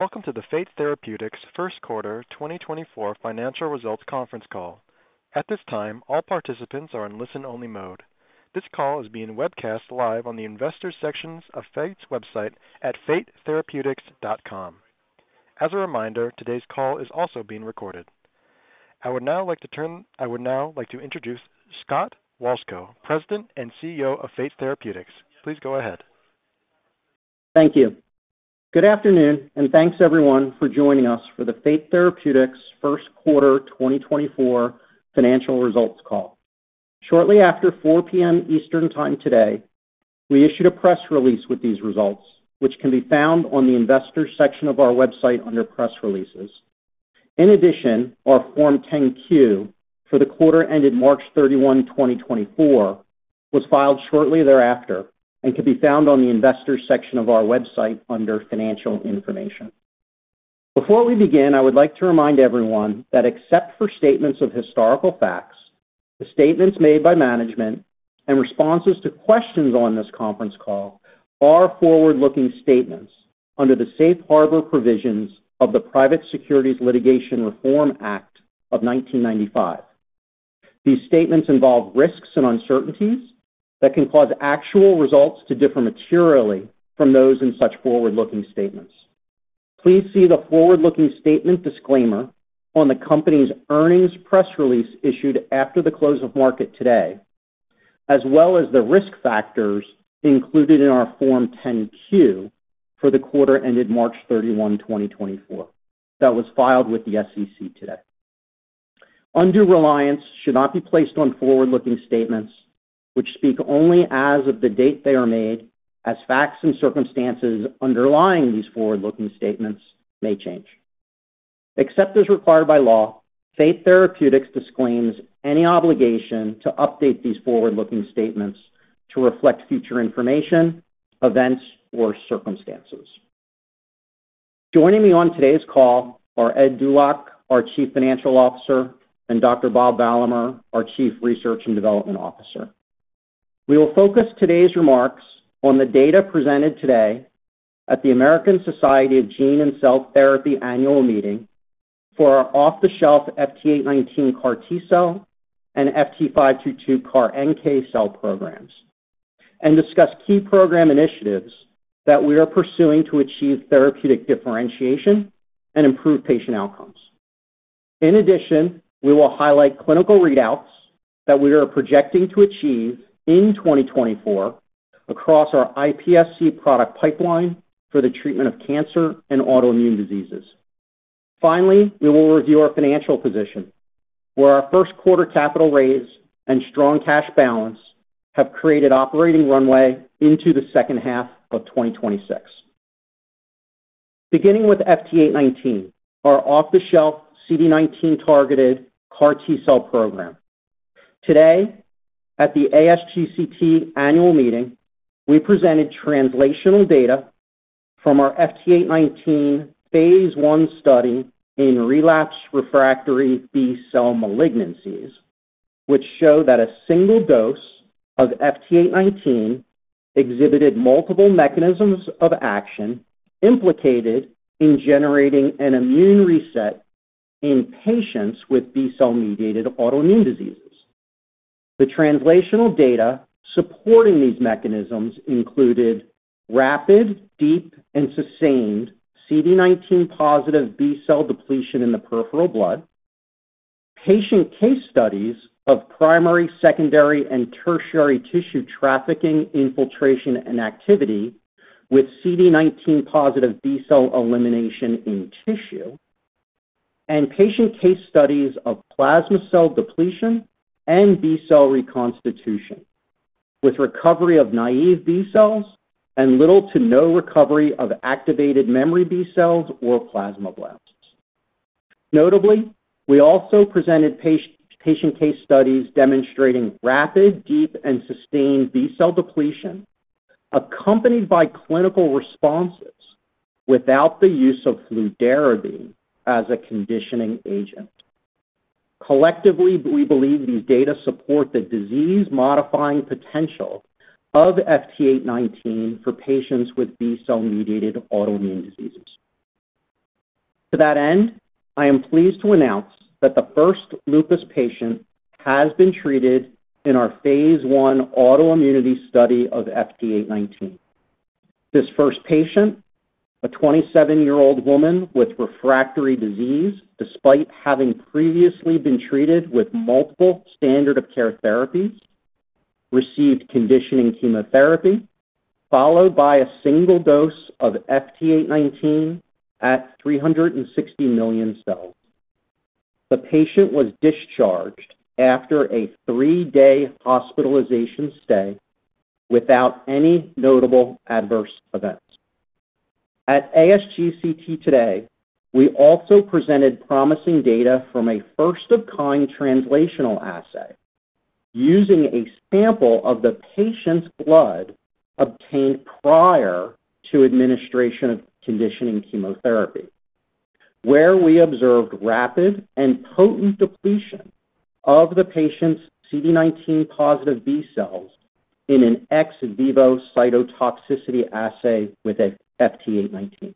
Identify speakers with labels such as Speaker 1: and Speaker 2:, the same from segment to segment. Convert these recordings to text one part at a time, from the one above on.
Speaker 1: Welcome to the Fate Therapeutics first quarter 2024 financial results conference call. At this time, all participants are in listen-only mode. This call is being webcast live on the investors' sections of Fate's website at fatetherapeutics.com. As a reminder, today's call is also being recorded. I would now like to introduce Scott Wolchko, President and CEO of Fate Therapeutics. Please go ahead.
Speaker 2: Thank you. Good afternoon, and thanks everyone for joining us for the Fate Therapeutics first quarter 2024 financial results call. Shortly after 4:00 P.M. Eastern Time today, we issued a press release with these results, which can be found on the investors' section of our website under Press Releases. In addition, our Form 10-Q for the quarter ended March 31, 2024, was filed shortly thereafter and can be found on the investors' section of our website under Financial Information. Before we begin, I would like to remind everyone that except for statements of historical facts, the statements made by management and responses to questions on this conference call are forward-looking statements under the Safe Harbor provisions of the Private Securities Litigation Reform Act of 1995. These statements involve risks and uncertainties that can cause actual results to differ materially from those in such forward-looking statements. Please see the forward-looking statement disclaimer on the company's earnings press release issued after the close of market today, as well as the risk factors included in our Form 10-Q for the quarter ended March 31, 2024, that was filed with the SEC today. Undue reliance should not be placed on forward-looking statements, which speak only as of the date they are made, as facts and circumstances underlying these forward-looking statements may change. Except as required by law, Fate Therapeutics disclaims any obligation to update these forward-looking statements to reflect future information, events, or circumstances. Joining me on today's call are Ed Dulac, our Chief Financial Officer, and Dr. Bob Valamehr, our Chief Research and Development Officer. We will focus today's remarks on the data presented today at the American Society of Gene and Cell Therapy annual meeting for our off-the-shelf FT819 CAR T-cell and FT522 CAR NK cell programs, and discuss key program initiatives that we are pursuing to achieve therapeutic differentiation and improve patient outcomes. In addition, we will highlight clinical readouts that we are projecting to achieve in 2024 across our iPSC product pipeline for the treatment of cancer and autoimmune diseases. Finally, we will review our financial position, where our first quarter capital raise and strong cash balance have created operating runway into the second half of 2026. Beginning with FT819, our off-the-shelf CD19-targeted CAR T-cell program. Today, at the ASGCT annual meeting, we presented translational data from our FT819 phase I study in relapsed/refractory B-cell malignancies, which showed that a single dose of FT819 exhibited multiple mechanisms of action implicated in generating an immune reset in patients with B-cell-mediated autoimmune diseases. The translational data supporting these mechanisms included rapid, deep, and sustained CD19-positive B-cell depletion in the peripheral blood, patient case studies of primary, secondary, and tertiary tissue trafficking infiltration and activity with CD19-positive B cell elimination in tissue, and patient case studies of plasma cell depletion and B cell reconstitution with recovery of naive B cells and little to no recovery of activated memory B cells or plasma blasts. Notably, we also presented patient case studies demonstrating rapid, deep, and sustained B cell depletion accompanied by clinical responses without the use of fludarabine as a conditioning agent. Collectively, we believe these data support the disease-modifying potential of FT819 for patients with B cell-mediated autoimmune diseases. To that end, I am pleased to announce that the first lupus patient has been treated in our phase I autoimmunity study of FT819. This first patient, a 27-year-old woman with refractory disease despite having previously been treated with multiple standard-of-care therapies, received conditioning chemotherapy followed by a single dose of FT819 at 360 million cells. The patient was discharged after a three-day hospitalization stay without any notable adverse events. At ASGCT today, we also presented promising data from a first-of-its-kind translational assay using a sample of the patient's blood obtained prior to administration of conditioning chemotherapy, where we observed rapid and potent depletion of the patient's CD19-positive B cells in an ex vivo cytotoxicity assay with FT819. It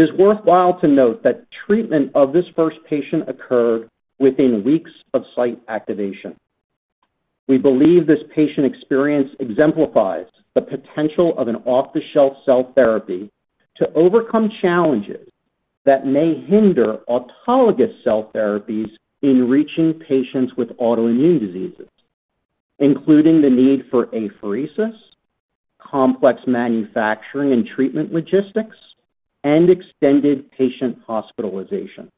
Speaker 2: is worthwhile to note that treatment of this first patient occurred within weeks of site activation. We believe this patient experience exemplifies the potential of an off-the-shelf cell therapy to overcome challenges that may hinder autologous cell therapies in reaching patients with autoimmune diseases, including the need for apheresis, complex manufacturing and treatment logistics, and extended patient hospitalization.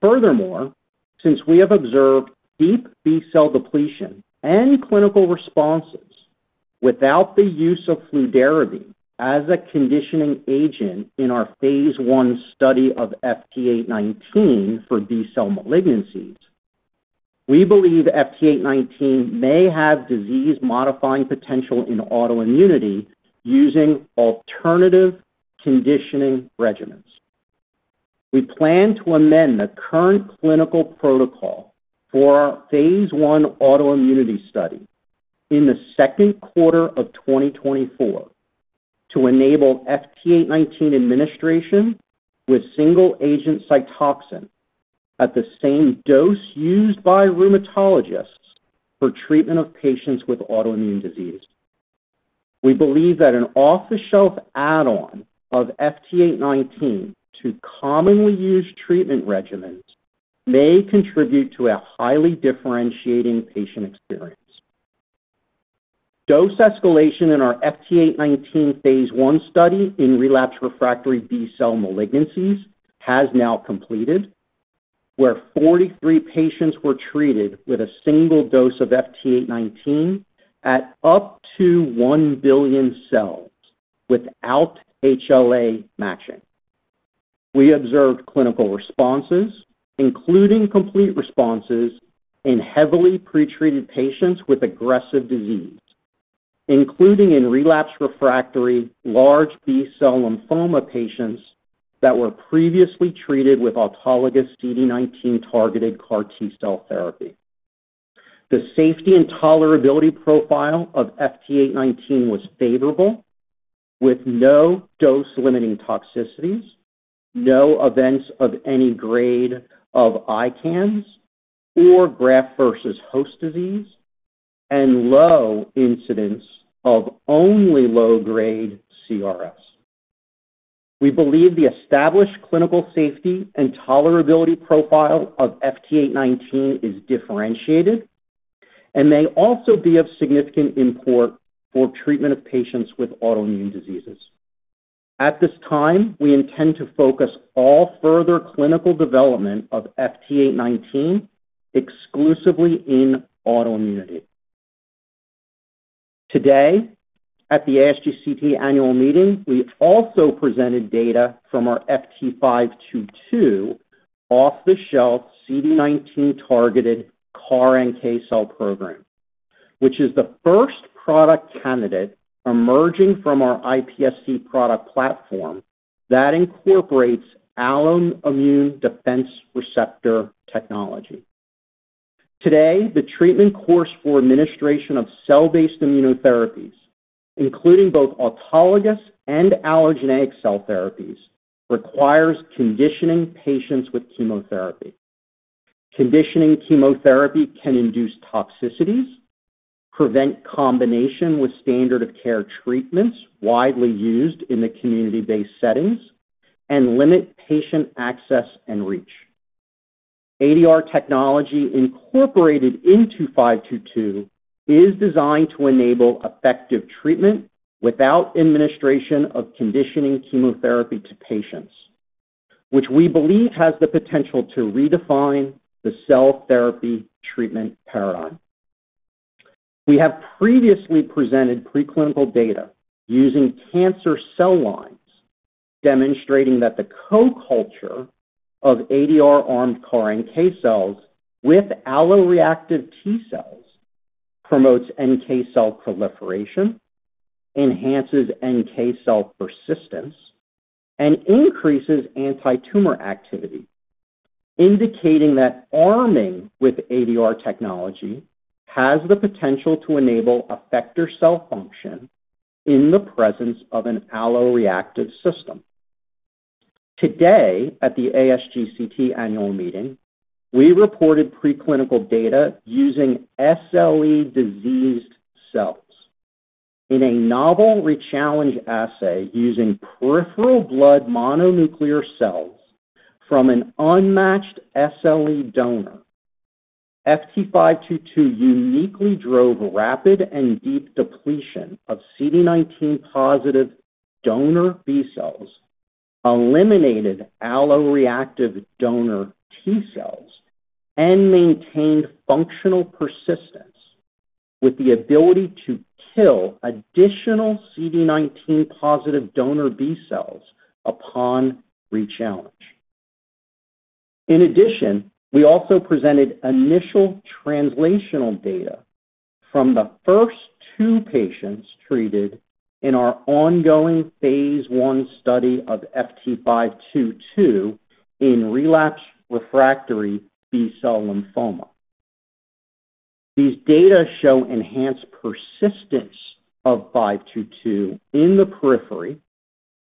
Speaker 2: Furthermore, since we have observed deep B cell depletion and clinical responses without the use of fludarabine as a conditioning agent in our phase I study of FT819 for B cell malignancies, we believe FT819 may have disease-modifying potential in autoimmunity using alternative conditioning regimens. We plan to amend the current clinical protocol for our phase I autoimmunity study in the second quarter of 2024 to enable FT819 administration with single-agent Cytoxan at the same dose used by rheumatologists for treatment of patients with autoimmune disease. We believe that an off-the-shelf add-on of FT819 to commonly used treatment regimens may contribute to a highly differentiating patient experience. Dose escalation in our FT819 phase I study in relapsed/refractory B cell malignancies has now completed, where 43 patients were treated with a single dose of FT819 at up to 1 billion cells without HLA matching. We observed clinical responses, including complete responses in heavily pretreated patients with aggressive disease, including in relapsed/refractory large B cell lymphoma patients that were previously treated with autologous CD19-targeted CAR T cell therapy. The safety and tolerability profile of FT819 was favorable, with no dose-limiting toxicities, no events of any grade of ICANS or graft-versus-host disease, and low incidence of only low-grade CRS. We believe the established clinical safety and tolerability profile of FT819 is differentiated and may also be of significant import for treatment of patients with autoimmune diseases. At this time, we intend to focus all further clinical development of FT819 exclusively in autoimmunity. Today, at the ASGCT annual meeting, we also presented data from our FT522 off-the-shelf CD19-targeted CAR NK cell program, which is the first product candidate emerging from our iPSC product platform that incorporates Alloimmune Defense Receptor technology. Today, the treatment course for administration of cell-based immunotherapies, including both autologous and allogeneic cell therapies, requires conditioning patients with chemotherapy. Conditioning chemotherapy can induce toxicities, prevent combination with standard-of-care treatments widely used in the community-based settings, and limit patient access and reach. ADR technology incorporated into FT522 is designed to enable effective treatment without administration of conditioning chemotherapy to patients, which we believe has the potential to redefine the cell therapy treatment paradigm. We have previously presented preclinical data using cancer cell lines demonstrating that the co-culture of ADR-armed CAR NK cells with alloreactive T cells promotes NK cell proliferation, enhances NK cell persistence, and increases anti-tumor activity, indicating that arming with ADR technology has the potential to enable effector cell function in the presence of an alloreactive system. Today, at the ASGCT annual meeting, we reported preclinical data using SLE diseased cells in a novel re-challenge assay using peripheral blood mononuclear cells from an unmatched SLE donor. FT522 uniquely drove rapid and deep depletion of CD19-positive donor B cells, eliminated alloreactive donor T cells, and maintained functional persistence with the ability to kill additional CD19-positive donor B cells upon re-challenge. In addition, we also presented initial translational data from the first two patients treated in our ongoing phase I study of FT522 in relapsed refractory B cell lymphoma. These data show enhanced persistence of 522 in the periphery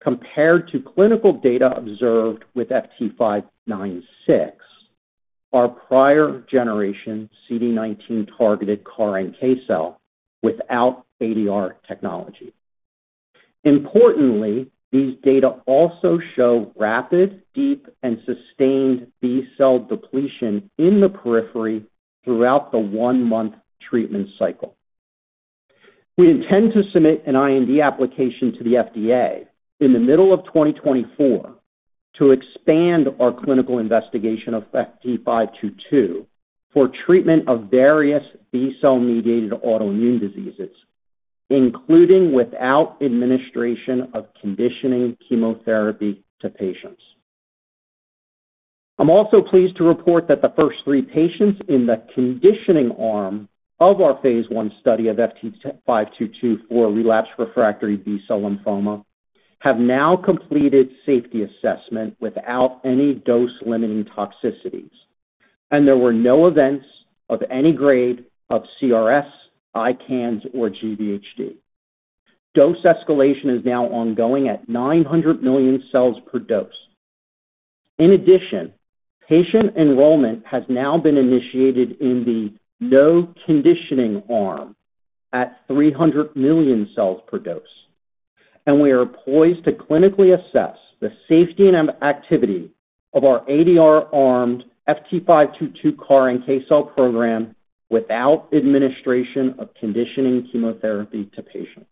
Speaker 2: compared to clinical data observed with FT596, our prior generation CD19-targeted CAR NK cell without ADR technology. Importantly, these data also show rapid, deep, and sustained B cell depletion in the periphery throughout the one-month treatment cycle. We intend to submit an IND application to the FDA in the middle of 2024 to expand our clinical investigation of FT522 for treatment of various B cell-mediated autoimmune diseases, including without administration of conditioning chemotherapy to patients. I'm also pleased to report that the first three patients in the conditioning arm of our phase I study of FT522 for relapsed refractory B-cell lymphoma have now completed safety assessment without any dose-limiting toxicities, and there were no events of any grade of CRS, ICANS, or GVHD. Dose escalation is now ongoing at 900 million cells per dose. In addition, patient enrollment has now been initiated in the no-conditioning arm at 300 million cells per dose, and we are poised to clinically assess the safety and activity of our ADR-armed FT522 CAR NK cell program without administration of conditioning chemotherapy to patients.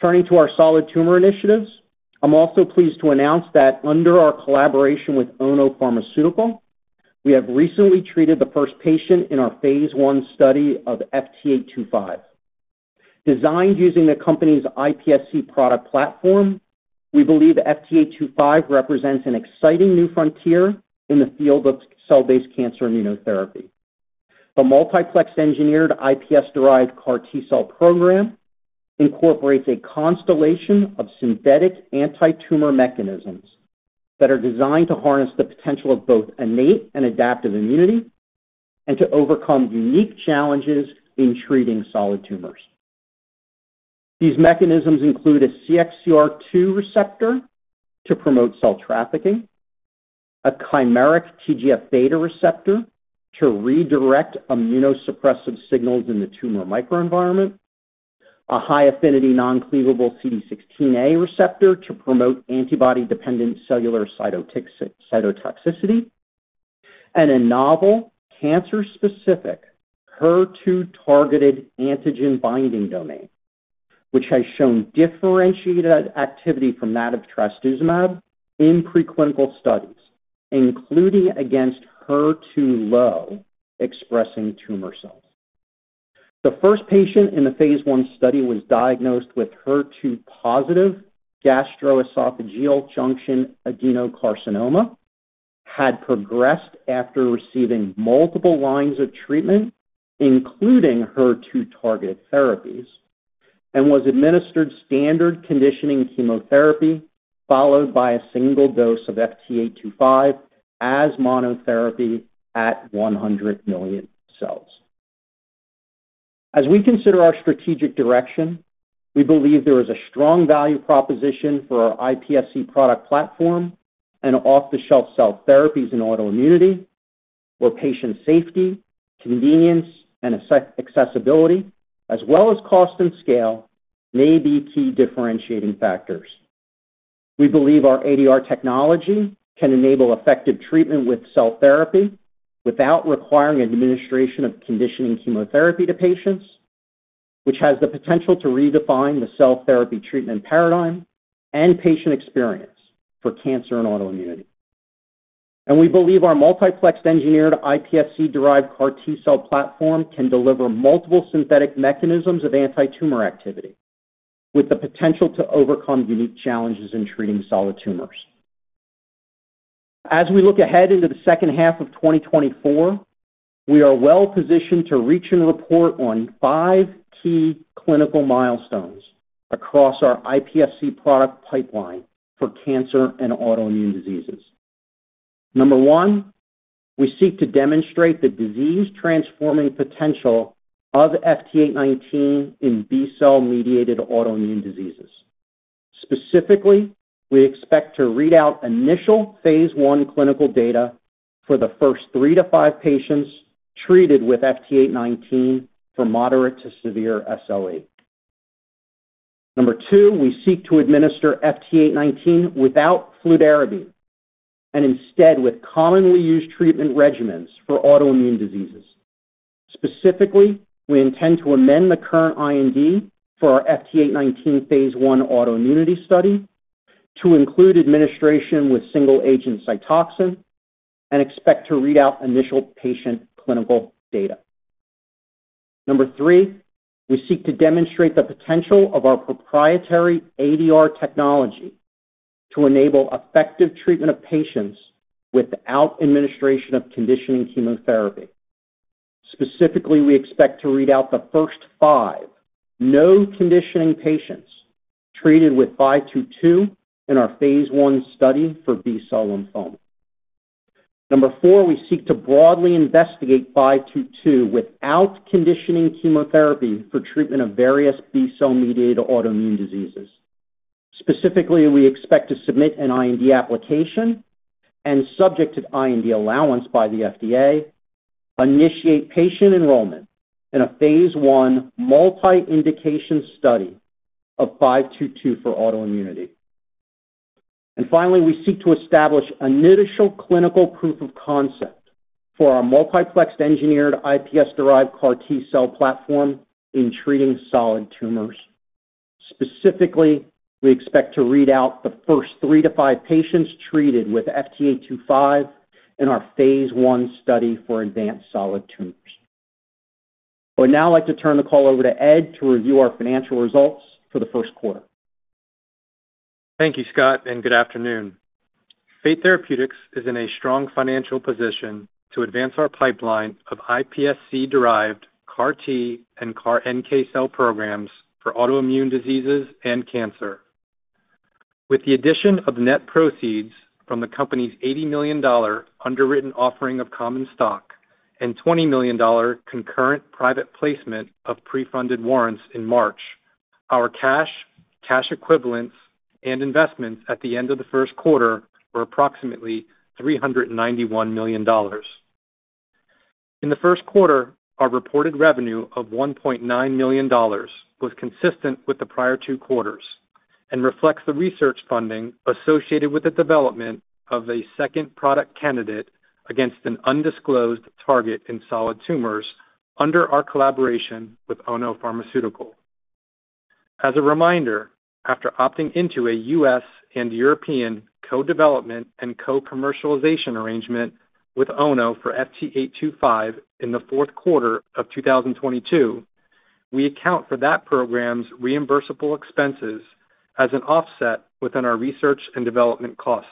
Speaker 2: Turning to our solid tumor initiatives, I'm also pleased to announce that under our collaboration with Ono Pharmaceutical, we have recently treated the first patient in our phase I study of FT825. Designed using the company's iPSC product platform, we believe FT825 represents an exciting new frontier in the field of cell-based cancer immunotherapy. The multiplex-engineered iPSC-derived CAR T cell program incorporates a constellation of synthetic anti-tumor mechanisms that are designed to harness the potential of both innate and adaptive immunity and to overcome unique challenges in treating solid tumors. These mechanisms include a CXCR2 receptor to promote cell trafficking, a chimeric TGF beta receptor to redirect immunosuppressive signals in the tumor microenvironment, a high-affinity non-cleavable CD16a receptor to promote antibody-dependent cellular cytotoxicity, and a novel cancer-specific HER2-targeted antigen binding domain, which has shown differentiated activity from that of trastuzumab in preclinical studies, including against HER2-low expressing tumor cells. The first patient in the phase I study was diagnosed with HER2-positive gastroesophageal junction adenocarcinoma, had progressed after receiving multiple lines of treatment, including HER2-targeted therapies, and was administered standard conditioning chemotherapy followed by a single dose of FT825 as monotherapy at 100 million cells. As we consider our strategic direction, we believe there is a strong value proposition for our iPSC product platform and off-the-shelf cell therapies in autoimmunity, where patient safety, convenience, and accessibility, as well as cost and scale, may be key differentiating factors. We believe our ADR technology can enable effective treatment with cell therapy without requiring administration of conditioning chemotherapy to patients, which has the potential to redefine the cell therapy treatment paradigm and patient experience for cancer and autoimmunity. We believe our multiplex-engineered iPSC-derived CAR T cell platform can deliver multiple synthetic mechanisms of anti-tumor activity with the potential to overcome unique challenges in treating solid tumors. As we look ahead into the second half of 2024, we are well positioned to reach and report on five key clinical milestones across our iPSC product pipeline for cancer and autoimmune diseases. Number one, we seek to demonstrate the disease-transforming potential of FT819 in B cell-mediated autoimmune diseases. Specifically, we expect to read out initial phase I clinical data for the first three to five patients treated with FT819 for moderate to severe SLE. Number two, we seek to administer FT819 without fludarabine and instead with commonly used treatment regimens for autoimmune diseases. Specifically, we intend to amend the current IND for our FT819 phase I autoimmunity study to include administration with single-agent Cytoxan and expect to read out initial patient clinical data. Number three, we seek to demonstrate the potential of our proprietary ADR technology to enable effective treatment of patients without administration of conditioning chemotherapy. Specifically, we expect to read out the first five no-conditioning patients treated with 522 in our phase I study for B cell lymphoma. Number four, we seek to broadly investigate 522 without conditioning chemotherapy for treatment of various B cell-mediated autoimmune diseases. Specifically, we expect to submit an IND application and, subject to IND allowance by the FDA, initiate patient enrollment in a phase I multi-indication study of 522 for autoimmunity. And finally, we seek to establish an initial clinical proof of concept for our multiplex-engineered iPSC-derived CAR T cell platform in treating solid tumors. Specifically, we expect to read out the first three to five patients treated with FT825 in our phase I study for advanced solid tumors. I would now like to turn the call over to Ed to review our financial results for the first quarter.
Speaker 3: Thank you, Scott, and good afternoon. Fate Therapeutics is in a strong financial position to advance our pipeline of iPSC-derived CAR T and CAR NK cell programs for autoimmune diseases and cancer. With the addition of net proceeds from the company's $80 million underwritten offering of common stock and $20 million concurrent private placement of pre-funded warrants in March, our cash equivalents and investments at the end of the first quarter were approximately $391 million. In the first quarter, our reported revenue of $1.9 million was consistent with the prior two quarters and reflects the research funding associated with the development of a second product candidate against an undisclosed target in solid tumors under our collaboration with Ono Pharmaceutical. As a reminder, after opting into a U.S. and European co-development and co-commercialization arrangement with Ono for FT825 in the fourth quarter of 2022, we account for that program's reimbursable expenses as an offset within our research and development costs.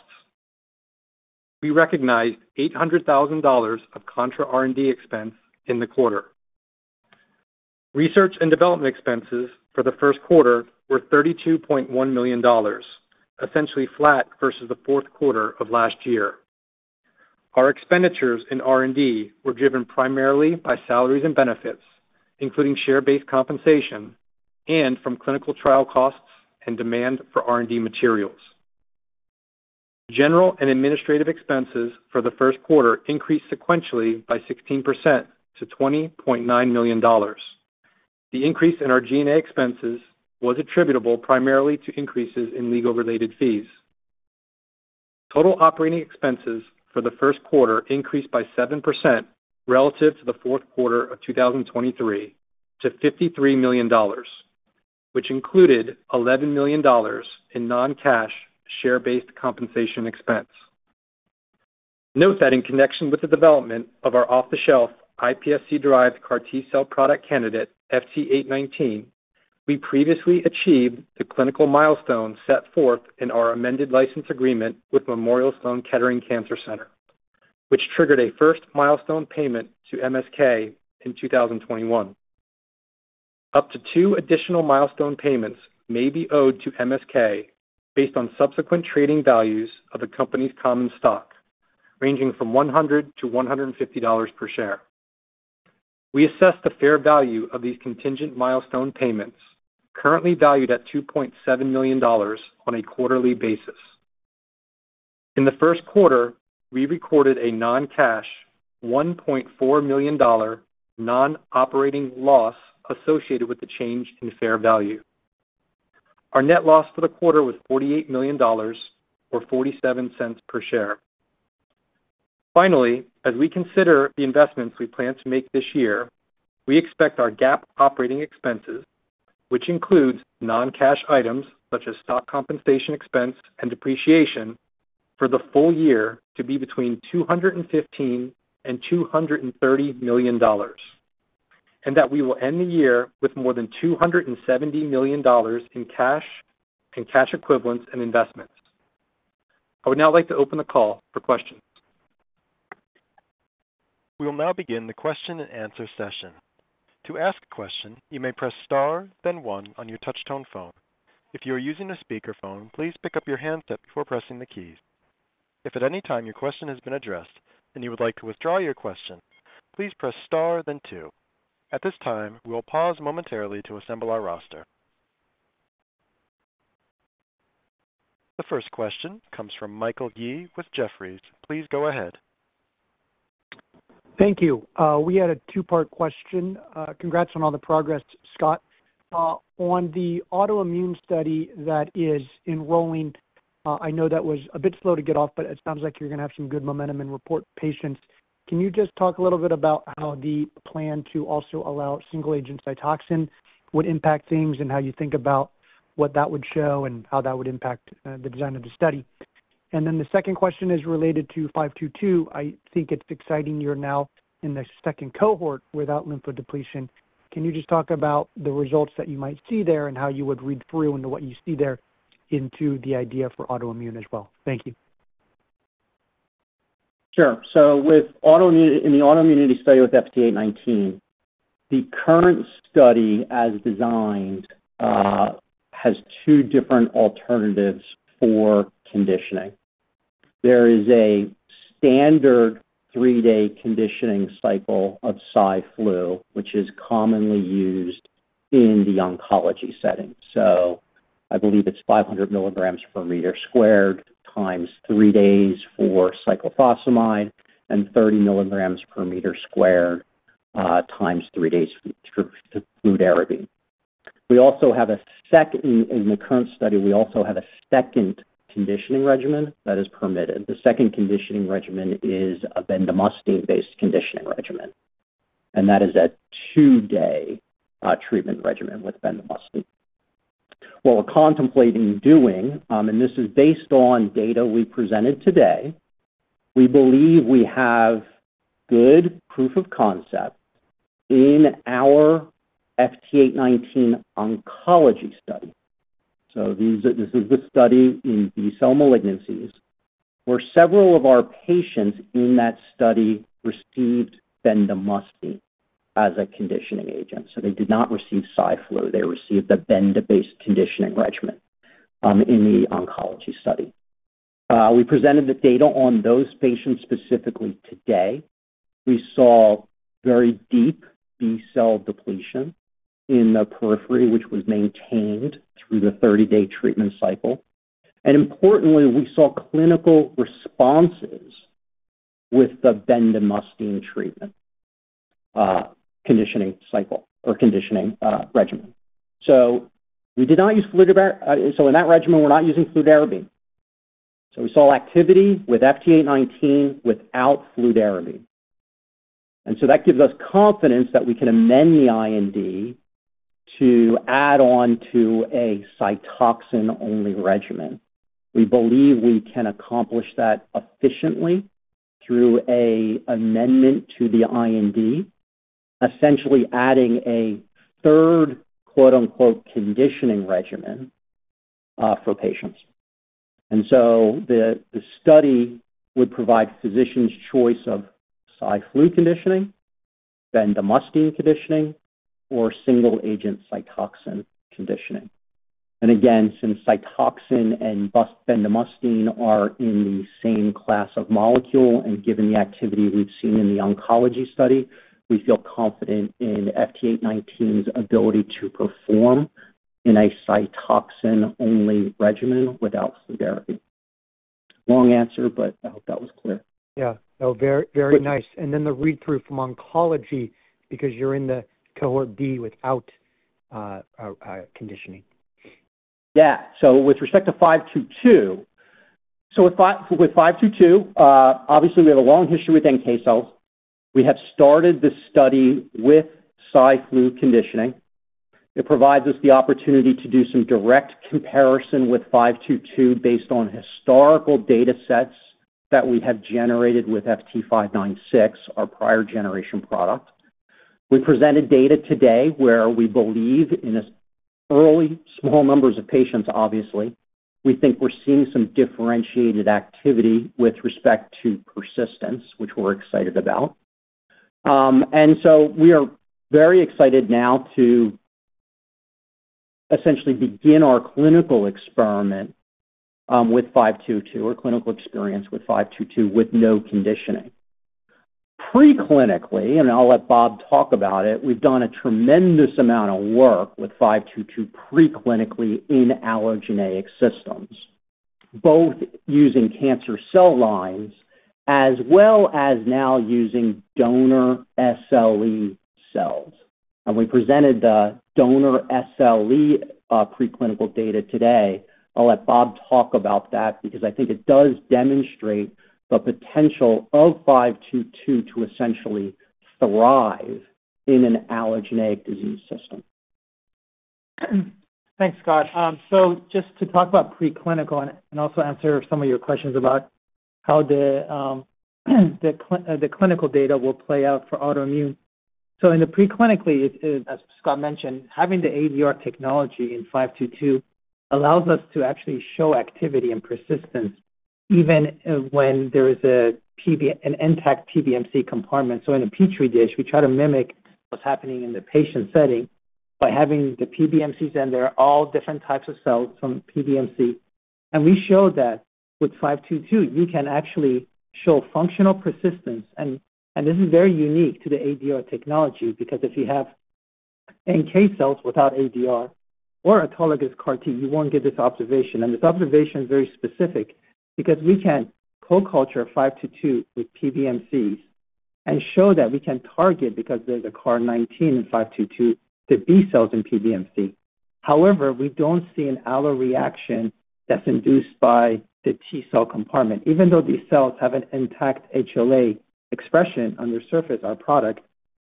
Speaker 3: We recognized $800,000 of contra-R&D expense in the quarter. Research and development expenses for the first quarter were $32.1 million, essentially flat versus the fourth quarter of last year. Our expenditures in R&D were driven primarily by salaries and benefits, including share-based compensation, and from clinical trial costs and demand for R&D materials. General and administrative expenses for the first quarter increased sequentially by 16% to $20.9 million. The increase in our G&A expenses was attributable primarily to increases in legal-related fees. Total operating expenses for the first quarter increased by 7% relative to the fourth quarter of 2023 to $53 million, which included $11 million in non-cash share-based compensation expense. Note that in connection with the development of our off-the-shelf iPSC-derived CAR T cell product candidate, FT819, we previously achieved the clinical milestone set forth in our amended license agreement with Memorial Sloan Kettering Cancer Center, which triggered a first milestone payment to MSK in 2021. Up to two additional milestone payments may be owed to MSK based on subsequent trading values of the company's common stock, ranging from $100 to $150 per share. We assessed the fair value of these contingent milestone payments, currently valued at $2.7 million on a quarterly basis. In the first quarter, we recorded a non-cash $1.4 million non-operating loss associated with the change in fair value. Our net loss for the quarter was $48 million or $0.47 per share. Finally, as we consider the investments we plan to make this year, we expect our GAAP operating expenses, which includes non-cash items such as stock compensation expense and depreciation for the full year, to be between $215 and $230 million, and that we will end the year with more than $270 million in cash equivalents and investments. I would now like to open the call for questions.
Speaker 1: We will now begin the question-and-answer session. To ask a question, you may press star, then one, on your touch-tone phone. If you are using a speakerphone, please pick up your handset before pressing the keys. If at any time your question has been addressed and you would like to withdraw your question, please press star, then two. At this time, we will pause momentarily to assemble our roster. The first question comes from Michael Yee with Jefferies. Please go ahead.
Speaker 4: Thank you. We had a two-part question. Congrats on all the progress, Scott. On the autoimmune study that is enrolling, I know that was a bit slow to get off, but it sounds like you're going to have some good momentum and report patients. Can you just talk a little bit about how the plan to also allow single-agent Cytoxan would impact things and how you think about what that would show and how that would impact the design of the study? And then the second question is related to 522. I think it's exciting. You're now in the second cohort without lymphodepletion. Can you just talk about the results that you might see there and how you would read through and what you see there into the idea for autoimmune as well? Thank you.
Speaker 2: Sure. So in the autoimmunity study with FT819, the current study as designed has two different alternatives for conditioning. There is a standard 3-day conditioning cycle of Cy/Flu, which is commonly used in the oncology setting. So I believe it's 500 milligrams per meter squared times three days for cyclophosphamide and 30 milligrams per meter squared times three days for fludarabine. We also have a second, in the current study, we also have a second conditioning regimen that is permitted. The second conditioning regimen is a bendamustine-based conditioning regimen, and that is a 2-day treatment regimen with bendamustine. What we're contemplating doing, and this is based on data we presented today, we believe we have good proof of concept in our FT819 oncology study. So this is the study in B cell malignancies, where several of our patients in that study received bendamustine as a conditioning agent. So they did not receive Cy/Flu. They received the bendamustine-based conditioning regimen in the oncology study. We presented the data on those patients specifically today. We saw very deep B cell depletion in the periphery, which was maintained through the 30-day treatment cycle. And importantly, we saw clinical responses with the bendamustine treatment conditioning cycle or conditioning regimen. So we did not use fludarabine so in that regimen, we're not using fludarabine. So we saw activity with FT819 without fludarabine. And so that gives us confidence that we can amend the IND to add onto a Cytoxan-only regimen. We believe we can accomplish that efficiently through an amendment to the IND, essentially adding a third "conditioning regimen" for patients. And so the study would provide physicians' choice of Cy/Flu conditioning, bendamustine conditioning, or single-agent Cytoxan conditioning. And again, since Cytoxan and bendamustine are in the same class of molecule and given the activity we've seen in the oncology study, we feel confident in FT819's ability to perform in a Cytoxan-only regimen without fludarabine. Long answer, but I hope that was clear.
Speaker 4: Yeah. No, very nice. And then the read-through from oncology, because you're in the Cohort B without conditioning.
Speaker 2: Yeah. So with respect to FT522, obviously, we have a long history with NK cells. We have started the study with Cy/Flu conditioning. It provides us the opportunity to do some direct comparison with FT522 based on historical datasets that we have generated with FT596, our prior generation product. We presented data today where we believe in early small numbers of patients, obviously. We think we're seeing some differentiated activity with respect to persistence, which we're excited about. And so we are very excited now to essentially begin our clinical experiment with FT522 or clinical experience with FT522 with no conditioning. Preclinically, and I'll let Bob talk about it, we've done a tremendous amount of work with FT522 preclinically in allogeneic systems, both using cancer cell lines as well as now using donor SLE cells. And we presented the donor SLE preclinical data today. I'll let Bob talk about that because I think it does demonstrate the potential of FT522 to essentially thrive in an allogeneic disease system.
Speaker 5: Thanks, Scott. So just to talk about preclinical and also answer some of your questions about how the clinical data will play out for autoimmune. So in the preclinical, as Scott mentioned, having the ADR technology in 522 allows us to actually show activity and persistence even when there is an intact PBMC compartment. So in a Petri dish, we try to mimic what's happening in the patient setting by having the PBMCs, and they're all different types of cells from PBMC. And we showed that with 522, you can actually show functional persistence. And this is very unique to the ADR technology because if you have NK cells without ADR or autologous CAR T, you won't get this observation. And this observation is very specific because we can co-culture 522 with PBMCs and show that we can target, because there's a CAR19 in 522, the B cells in PBMC. However, we don't see an allo-reaction that's induced by the T cell compartment. Even though these cells have an intact HLA expression on their surface, our product,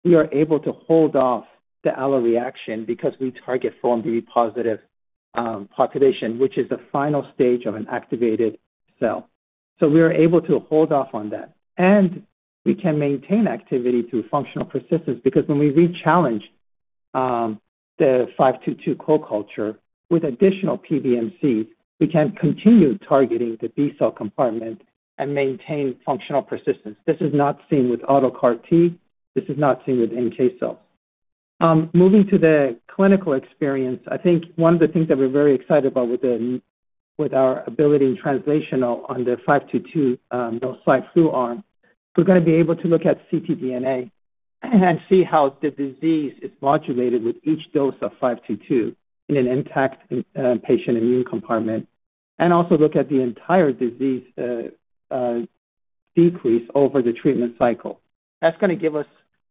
Speaker 5: we are able to hold off the allo-reaction because we target foreign B positive population, which is the final stage of an activated cell. So we are able to hold off on that. And we can maintain activity through functional persistence because when we rechallenge the 522 co-culture with additional PBMCs, we can continue targeting the B cell compartment and maintain functional persistence. This is not seen with auto CAR T. This is not seen with NK cells. Moving to the clinical experience, I think one of the things that we're very excited about with our ability in translational on the 522 Cy/Flu arm, we're going to be able to look at ctDNA and see how the disease is modulated with each dose of 522 in an intact patient immune compartment and also look at the entire disease decrease over the treatment cycle. That's going to give us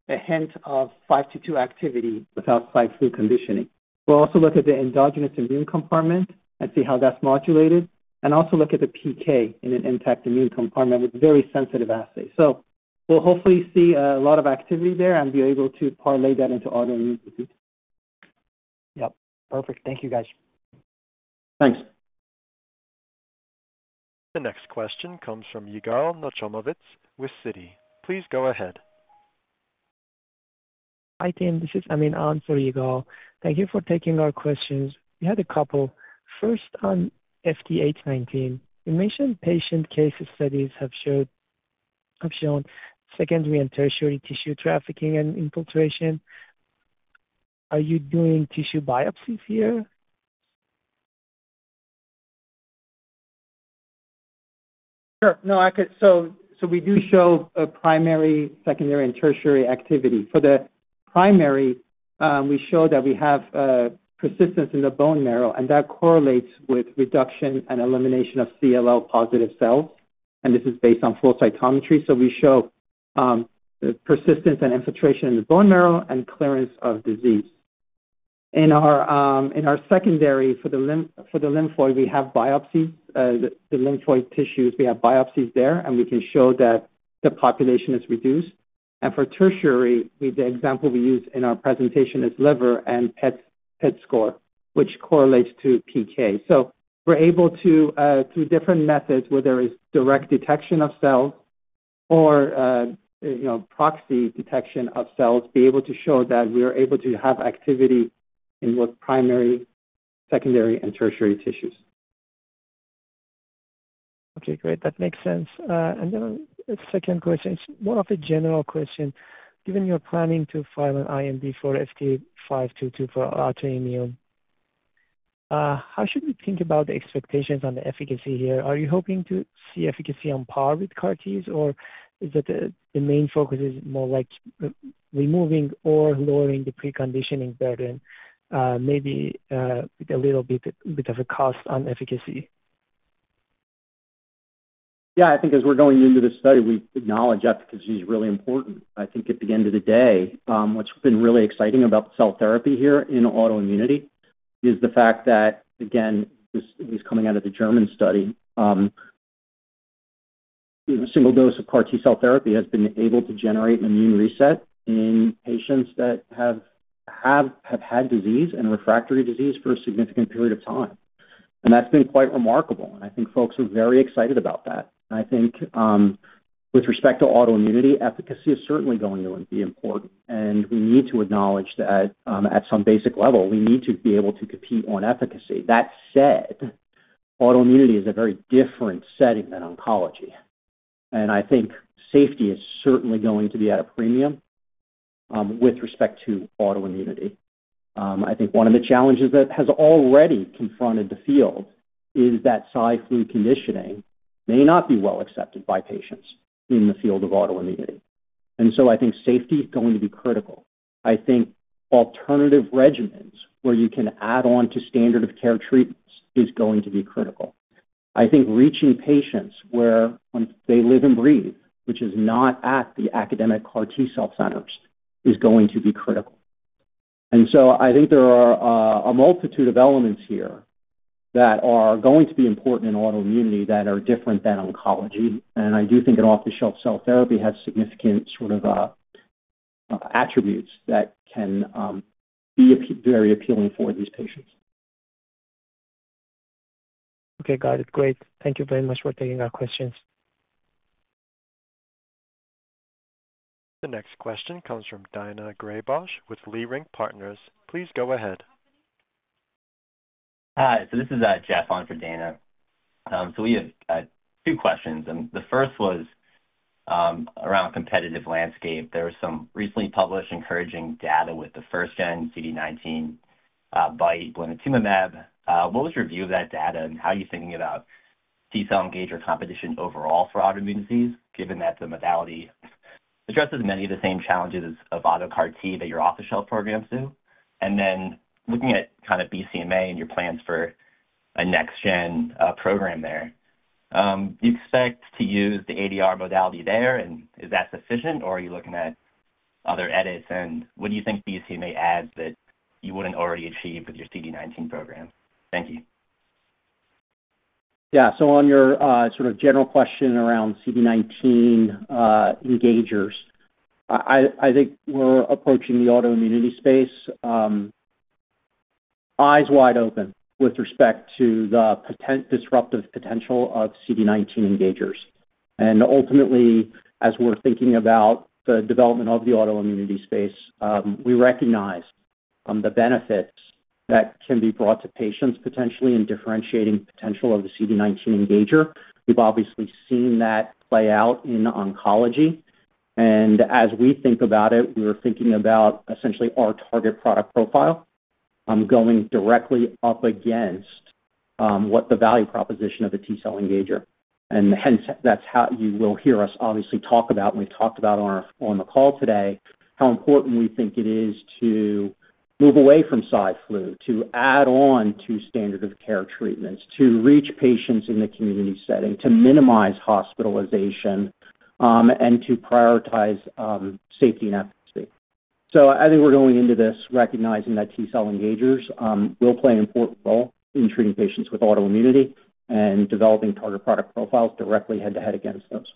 Speaker 5: a hint of 522 activity without Cy/Flu conditioning. We'll also look at the endogenous immune compartment and see how that's modulated and also look at the PK in an intact immune compartment with very sensitive assays. So we'll hopefully see a lot of activity there and be able to parlay that into autoimmunity.
Speaker 4: Yep. Perfect. Thank you, guys.
Speaker 5: Thanks.
Speaker 1: The next question comes from Yigal Nochomovitz with Citi. Please go ahead.
Speaker 6: Hi, this is Alim on for Yigal. Thank you for taking our questions. We had a couple. First, on FT819, you mentioned patient case studies have shown secondary and tertiary tissue trafficking and infiltration. Are you doing tissue biopsies here?
Speaker 5: Sure. We do show primary, secondary, and tertiary activity. For the primary, we show that we have persistence in the bone marrow, and that correlates with reduction and elimination of CLL-positive cells. This is based on flow cytometry. We show persistence and infiltration in the bone marrow and clearance of disease. In our secondary, for the lymphoid, we have biopsies the lymphoid tissues, we have biopsies there, and we can show that the population is reduced. For tertiary, the example we use in our presentation is liver and PET score, which correlates to PK. We're able to, through different methods, whether it's direct detection of cells or proxy detection of cells, be able to show that we are able to have activity in both primary, secondary, and tertiary tissues.
Speaker 6: Okay. Great. That makes sense. And then a second question. It's more of a general question. Given your planning to file an IND for FT522 for autoimmune, how should we think about the expectations on the efficacy here? Are you hoping to see efficacy on par with CAR Ts, or is it the main focus is more like removing or lowering the preconditioning burden, maybe with a little bit of a cost on efficacy?
Speaker 2: Yeah. I think as we're going into this study, we acknowledge efficacy is really important. I think at the end of the day, what's been really exciting about cell therapy here in autoimmunity is the fact that, again, this is coming out of the German study. Single dose of CAR T cell therapy has been able to generate an immune reset in patients that have had disease and refractory disease for a significant period of time. And that's been quite remarkable. And I think folks are very excited about that. I think with respect to autoimmunity, efficacy is certainly going to be important. And we need to acknowledge that at some basic level, we need to be able to compete on efficacy. That said, autoimmunity is a very different setting than oncology. And I think safety is certainly going to be at a premium with respect to autoimmunity. I think one of the challenges that has already confronted the field is that Cy/Flu conditioning may not be well accepted by patients in the field of autoimmunity. And so I think safety is going to be critical. I think alternative regimens where you can add onto standard of care treatments is going to be critical. I think reaching patients where they live and breathe, which is not at the academic CAR T cell centers, is going to be critical. And so I think there are a multitude of elements here that are going to be important in autoimmunity that are different than oncology. And I do think an off-the-shelf cell therapy has significant sort of attributes that can be very appealing for these patients.
Speaker 6: Okay. Got it. Great. Thank you very much for taking our questions.
Speaker 1: The next question comes from Daina Graybosch with Leerink Partners. Please go ahead.
Speaker 7: Hi. So this is Jeff on for Daina. So we have two questions. The first was around a competitive landscape. There was some recently published encouraging data with the first-gen CD19 bispecific blinatumomab. What was your view of that data, and how are you thinking about T-cell engager competition overall for autoimmune disease, given that the modality addresses many of the same challenges of autologous CAR T that your off-the-shelf programs do? And then looking at kind of BCMA and your plans for a next-gen program there, do you expect to use the ADR modality there, and is that sufficient, or are you looking at other edits? And what do you think BCMA adds that you wouldn't already achieve with your CD19 program? Thank you.
Speaker 2: Yeah. So on your sort of general question around CD19 engagers, I think we're approaching the autoimmunity space eyes wide open with respect to the disruptive potential of CD19 engagers. And ultimately, as we're thinking about the development of the autoimmunity space, we recognize the benefits that can be brought to patients potentially in differentiating potential of the CD19 engager. We've obviously seen that play out in oncology. And as we think about it, we were thinking about essentially our target product profile going directly up against what the value proposition of a T cell engager is. And hence, that's how you will hear us obviously talk about, and we've talked about on the call today, how important we think it is to move away from Cy/Flu, to add on to standard of care treatments, to reach patients in the community setting, to minimize hospitalization, and to prioritize safety and efficacy. So I think we're going into this recognizing that T cell engagers will play an important role in treating patients with autoimmunity and developing target product profiles directly head-to-head against those.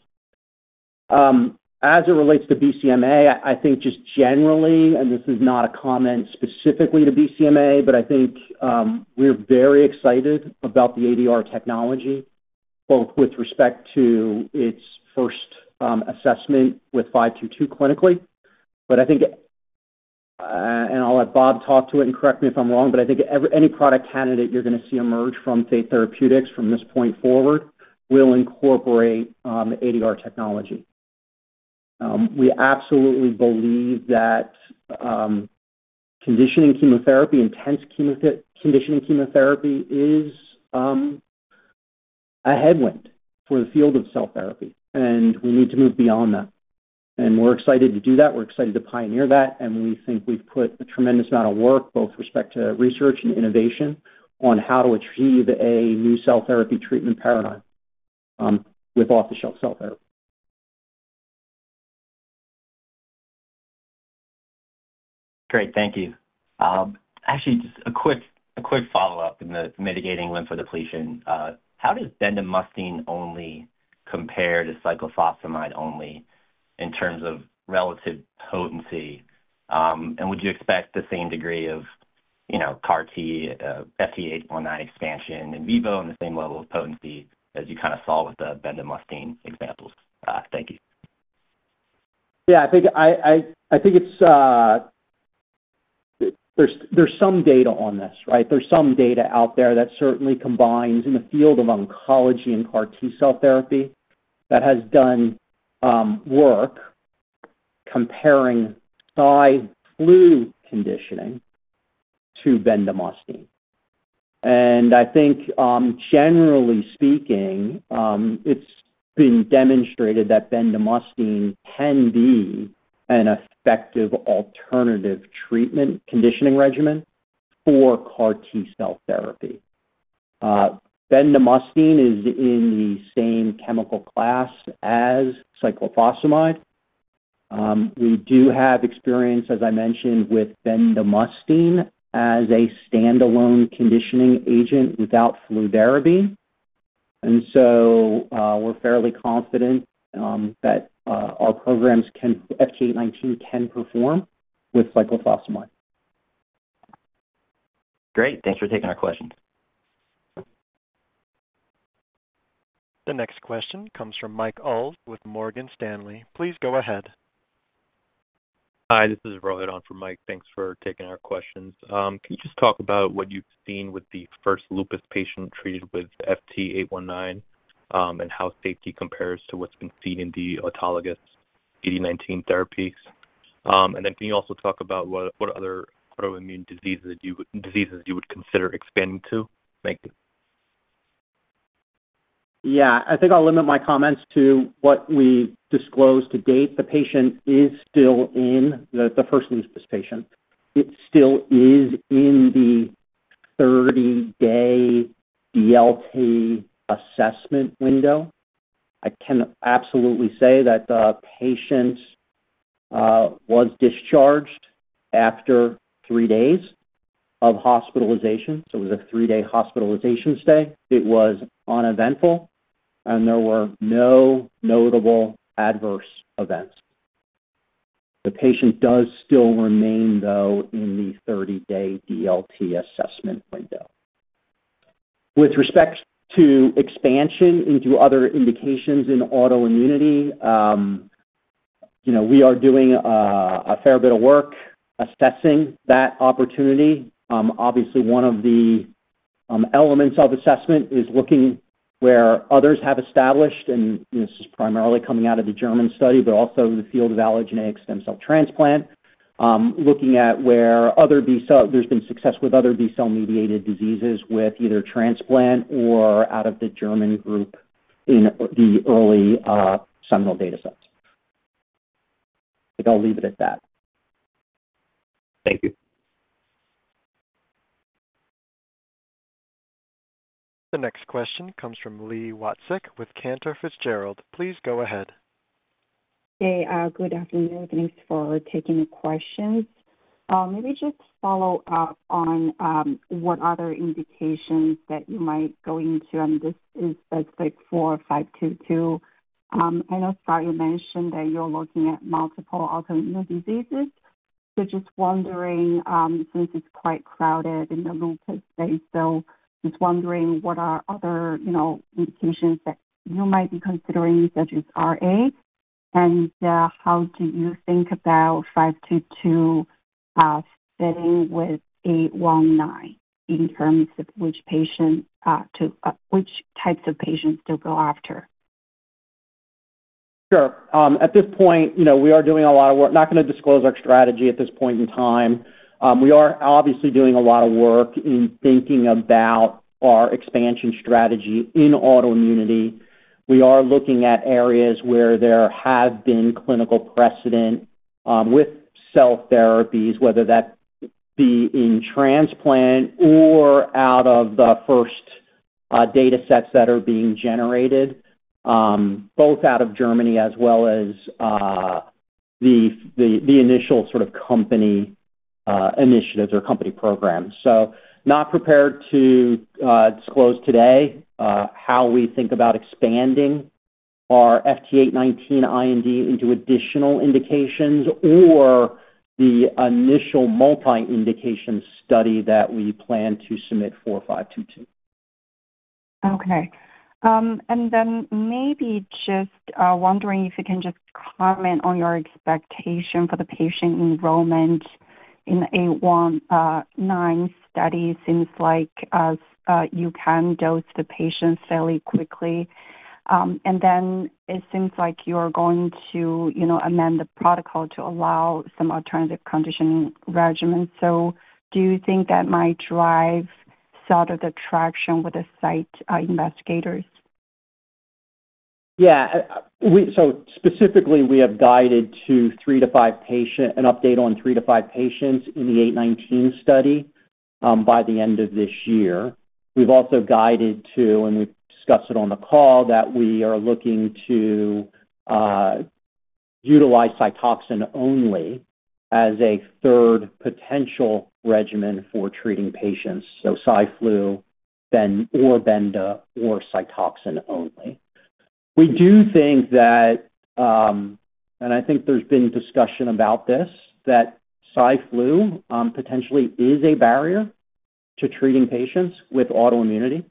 Speaker 2: As it relates to BCMA, I think just generally and this is not a comment specifically to BCMA, but I think we're very excited about the ADR technology, both with respect to its first assessment with 522 clinically. I'll let Bob talk to it and correct me if I'm wrong, but I think any product candidate you're going to see emerge from Fate Therapeutics from this point forward will incorporate ADR technology. We absolutely believe that conditioning chemotherapy, intense conditioning chemotherapy, is a headwind for the field of cell therapy, and we need to move beyond that. We're excited to do that. We're excited to pioneer that. We think we've put a tremendous amount of work, both with respect to research and innovation, on how to achieve a new cell therapy treatment paradigm with off-the-shelf cell therapy.
Speaker 7: Great. Thank you. Actually, just a quick follow-up in the mitigating lymphodepletion. How does bendamustine only compare to Cyclophosphamide only in terms of relative potency? And would you expect the same degree of CAR T, FT819 expansion, in vivo in the same level of potency as you kind of saw with the bendamustine examples? Thank you.
Speaker 2: Yeah. I think there's some data on this, right? There's some data out there that certainly combines in the field of oncology and CAR T cell therapy that has done work comparing Cy/Flu conditioning to bendamustine. I think, generally speaking, it's been demonstrated that bendamustine can be an effective alternative treatment conditioning regimen for CAR T cell therapy. Bendamustine is in the same chemical class as cyclophosphamide. We do have experience, as I mentioned, with bendamustine as a standalone conditioning agent without fludarabine. So we're fairly confident that our programs, FT819, can perform with cyclophosphamide.
Speaker 7: Great. Thanks for taking our questions.
Speaker 1: The next question comes from Mike Ulz with Morgan Stanley. Please go ahead.
Speaker 8: Hi. This is Rohit on for Mike. Thanks for taking our questions. Can you just talk about what you've seen with the first lupus patient treated with FT819 and how safety compares to what's been seen in the autologous CD19 therapies? And then can you also talk about what other autoimmune diseases you would consider expanding to? Thank you.
Speaker 2: Yeah. I think I'll limit my comments to what we disclose to date. The patient is still the first lupus patient. It still is in the 30-day DLT assessment window. I can absolutely say that the patient was discharged after three days of hospitalization. So it was a 3-day hospitalization stay. It was uneventful, and there were no notable adverse events. The patient does still remain, though, in the 30-day DLT assessment window. With respect to expansion into other indications in autoimmunity, we are doing a fair bit of work assessing that opportunity. Obviously, one of the elements of assessment is looking where others have established, and this is primarily coming out of the German study, but also the field of allogeneic stem cell transplant, looking at where there's been success with other B cell-mediated diseases with either transplant or out of the German group in the early seminal datasets. I think I'll leave it at that.
Speaker 8: Thank you.
Speaker 1: The next question comes from Li Watsek with Cantor Fitzgerald. Please go ahead.
Speaker 9: Hey. Good afternoon. Thanks for taking the questions. Maybe just follow up on what other indications that you might go into. I mean, this is specific for 522. I know, Scott, you mentioned that you're looking at multiple autoimmune diseases. So just wondering, since it's quite crowded in the lupus space, so just wondering what are other indications that you might be considering, such as RA? And how do you think about 522 fitting with 819 in terms of which types of patients to go after?
Speaker 2: Sure. At this point, we are doing a lot of work. I'm not going to disclose our strategy at this point in time. We are obviously doing a lot of work in thinking about our expansion strategy in autoimmunity. We are looking at areas where there has been clinical precedent with cell therapies, whether that be in transplant or out of the first datasets that are being generated, both out of Germany as well as the initial sort of company initiatives or company programs. So not prepared to disclose today how we think about expanding our FT819 IND into additional indications or the initial multi-indication study that we plan to submit for 522.
Speaker 9: Okay. And then maybe just wondering if you can just comment on your expectation for the patient enrollment in the FT819 study. It seems like you can dose the patients fairly quickly. And then it seems like you're going to amend the protocol to allow some alternative conditioning regimens. So do you think that might drive sort of the traction with the site investigators?
Speaker 2: Yeah. So specifically, we have guided to three to five patients, an update on three to five patients in the FT819 study by the end of this year. We've also guided to and we've discussed it on the call that we are looking to utilize Cytoxan only as a third potential regimen for treating patients, so Cy/Flu or benda or Cytoxan only. We do think that and I think there's been discussion about this, that Cy/Flu potentially is a barrier to treating patients with autoimmunity.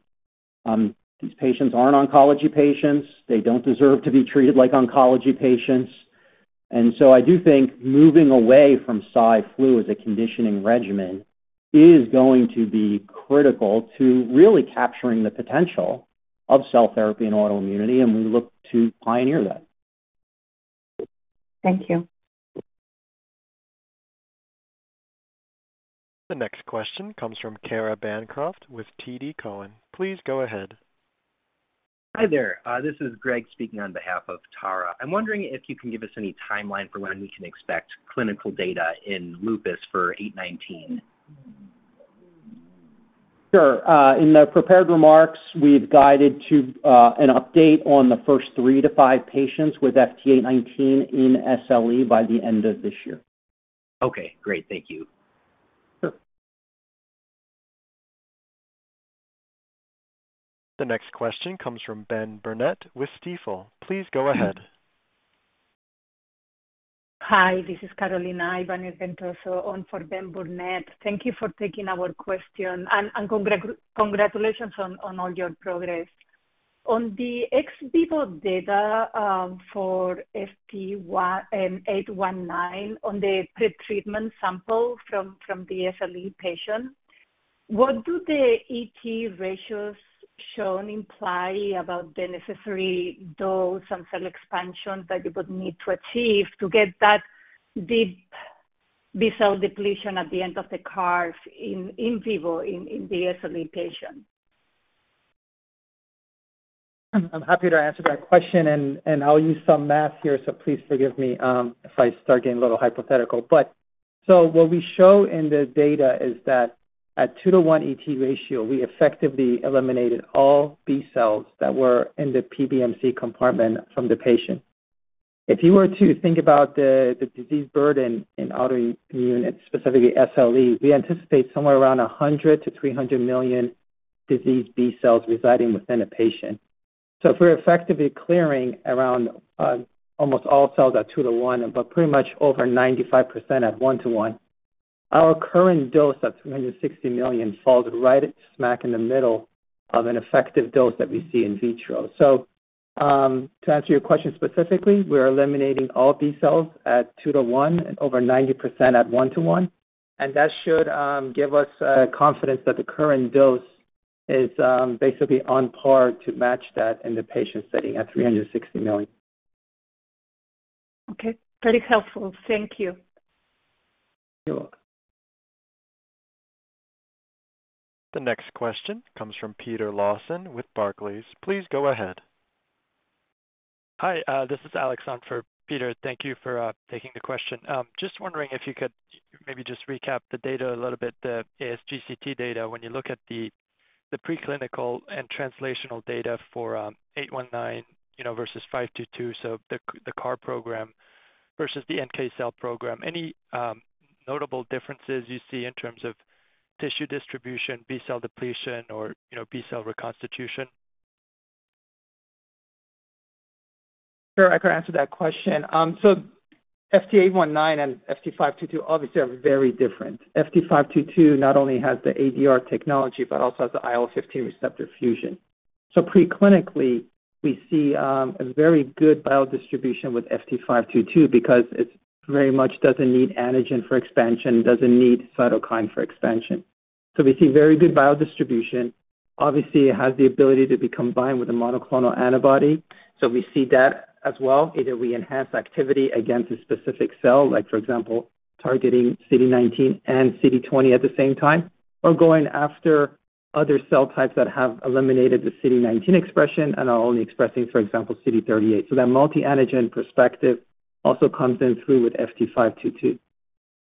Speaker 2: These patients aren't oncology patients. They don't deserve to be treated like oncology patients. And so I do think moving away from Cy/Flu as a conditioning regimen is going to be critical to really capturing the potential of cell therapy in autoimmunity, and we look to pioneer that.
Speaker 9: Thank you.
Speaker 1: The next question comes from Tara Bancroft with TD Cowen. Please go ahead.
Speaker 10: Hi there. This is Greg speaking on behalf of Tara. I'm wondering if you can give us any timeline for when we can expect clinical data in lupus for 819?
Speaker 2: Sure. In the prepared remarks, we've guided to an update on the first three to five patients with FT819 in SLE by the end of this year.
Speaker 10: Okay. Great. Thank you.
Speaker 2: Sure.
Speaker 1: The next question comes from Ben Burnett with Stifel. Please go ahead.
Speaker 11: Hi. This is Carolina Ibanez Ventoso on for Ben Burnett. Thank you for taking our question, and congratulations on all your progress. On the ex vivo data for 819, on the pretreatment sample from the SLE patient, what do the ET ratios shown imply about the necessary dose and cell expansion that you would need to achieve to get that deep B cell depletion at the end of the curve in vivo in the SLE patient?
Speaker 5: I'm happy to answer that question, and I'll use some math here, so please forgive me if I start getting a little hypothetical. So what we show in the data is that at 2:1 ET ratio, we effectively eliminated all B cells that were in the PBMC compartment from the patient. If you were to think about the disease burden in autoimmune, specifically SLE, we anticipate somewhere around 100-300 million diseased B cells residing within a patient. So if we're effectively clearing around almost all cells at 2:1, but pretty much over 95% at 1:1, our current dose at 360 million falls right smack in the middle of an effective dose that we see in vitro. To answer your question specifically, we are eliminating all B cells at 2:1 and over 90% at 1:1, and that should give us confidence that the current dose is basically on par to match that in the patient setting at 360 million.
Speaker 11: Okay. Very helpful. Thank you.
Speaker 5: You're welcome.
Speaker 1: The next question comes from Peter Lawson with Barclays. Please go ahead.
Speaker 12: Hi. This is Alex on for Peter. Thank you for taking the question. Just wondering if you could maybe just recap the data a little bit, the ASGCT data, when you look at the preclinical and translational data for 819 versus 522, so the CAR program versus the NK cell program, any notable differences you see in terms of tissue distribution, B cell depletion, or B cell reconstitution?
Speaker 5: Sure. I can answer that question. So FT819 and FT522 obviously are very different. FT522 not only has the ADR technology but also has the IL-15 receptor fusion. So preclinically, we see a very good biodistribution with FT522 because it very much doesn't need antigen for expansion, doesn't need cytokine for expansion. So we see very good biodistribution. Obviously, it has the ability to be combined with a monoclonal antibody, so we see that as well. Either we enhance activity against a specific cell, for example, targeting CD19 and CD20 at the same time, or going after other cell types that have eliminated the CD19 expression, and I'm only expressing, for example, CD38. So that multi-antigen perspective also comes in through with FT522.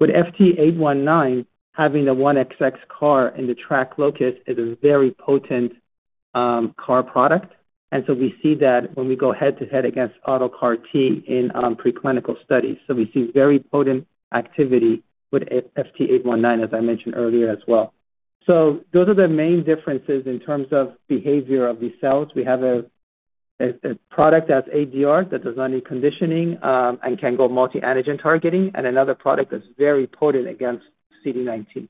Speaker 5: With FT819, having the 1XX CAR in the TRAC locus is a very potent CAR product, and so we see that when we go head-to-head against auto CAR T in preclinical studies. So we see very potent activity with FT819, as I mentioned earlier, as well. So those are the main differences in terms of behavior of these cells. We have a product that's ADR that does not need conditioning and can go multi-antigen targeting, and another product that's very potent against CD19.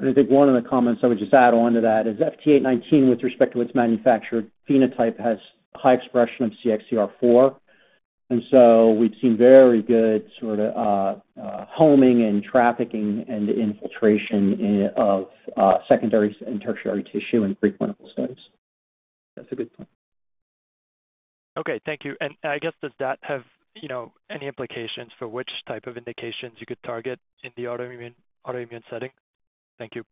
Speaker 2: And I think one of the comments I would just add on to that is FT819, with respect to its manufactured phenotype, has high expression of CXCR4. And so we've seen very good sort of homing and trafficking and infiltration of secondary and tertiary tissue in preclinical studies.
Speaker 5: That's a good point.
Speaker 12: Okay. Thank you. I guess does that have any implications for which type of indications you could target in the autoimmune setting? Thank you.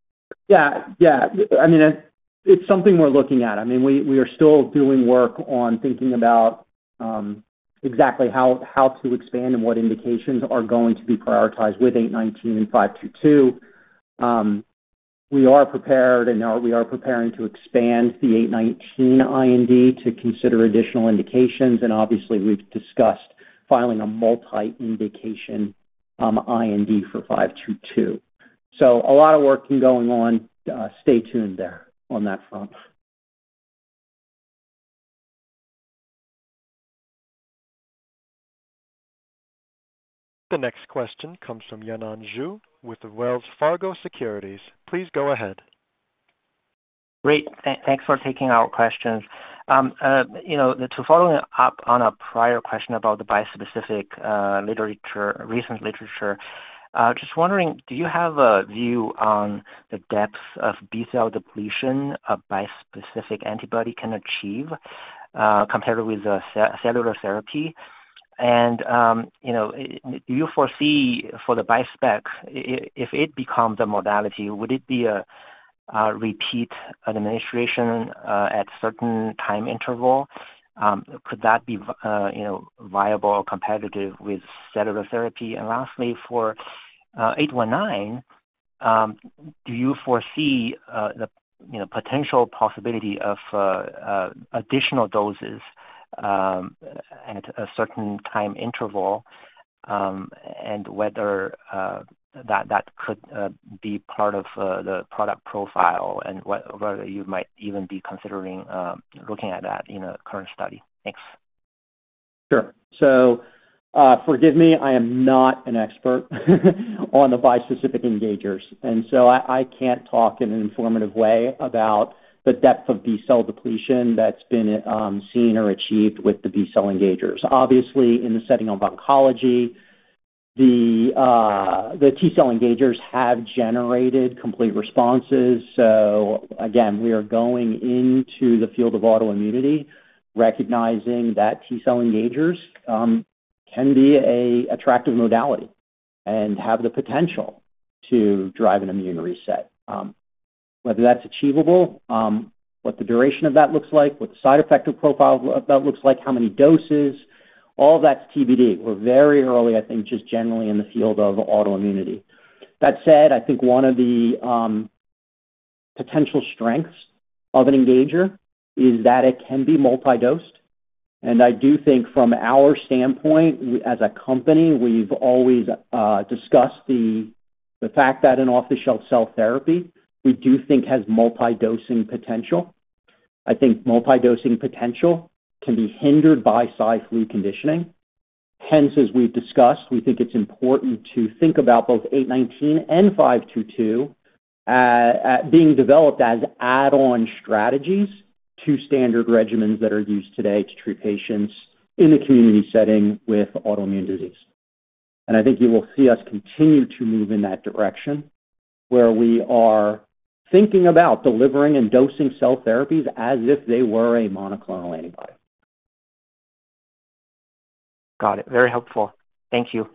Speaker 2: Yeah. Yeah. I mean, it's something we're looking at. I mean, we are still doing work on thinking about exactly how to expand and what indications are going to be prioritized with 819 and 522. We are prepared, and we are preparing to expand the 819 IND to consider additional indications. And obviously, we've discussed filing a multi-indication IND for 522. So a lot of work is going on. Stay tuned there on that front.
Speaker 1: The next question comes from Yanan Zhu with Wells Fargo Securities. Please go ahead.
Speaker 13: Great. Thanks for taking our questions. To follow up on a prior question about the recent literature, I'm just wondering, do you have a view on the depth of B cell depletion a bispecific antibody can achieve compared with cellular therapy? And do you foresee, for the bispecific, if it becomes a modality, would it be a repeat administration at a certain time interval? Could that be viable or competitive with cellular therapy? And lastly, for 819, do you foresee the potential possibility of additional doses at a certain time interval and whether that could be part of the product profile and whether you might even be considering looking at that in a current study? Thanks.
Speaker 2: Sure. So forgive me. I am not an expert on the bispecific engagers, and so I can't talk in an informative way about the depth of B cell depletion that's been seen or achieved with the B cell engagers. Obviously, in the setting of oncology, the T cell engagers have generated complete responses. So again, we are going into the field of autoimmunity, recognizing that T cell engagers can be an attractive modality and have the potential to drive an immune reset. Whether that's achievable, what the duration of that looks like, what the side effect profile of that looks like, how many doses, all of that's TBD. We're very early, I think, just generally in the field of autoimmunity. That said, I think one of the potential strengths of an engager is that it can be multi-dosed. I do think, from our standpoint as a company, we've always discussed the fact that an off-the-shelf cell therapy, we do think, has multi-dosing potential. I think multi-dosing potential can be hindered by Cy/Flu conditioning. Hence, as we've discussed, we think it's important to think about both 819 and 522 being developed as add-on strategies to standard regimens that are used today to treat patients in the community setting with autoimmune disease. I think you will see us continue to move in that direction where we are thinking about delivering and dosing cell therapies as if they were a monoclonal antibody.
Speaker 13: Got it. Very helpful. Thank you.